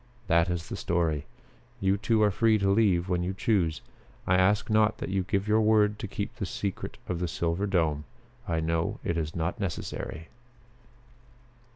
That is the story. You two are free to leave when you choose. I ask not that you give your word to keep the secret of 'Silver Dome.' I know it is not necessary."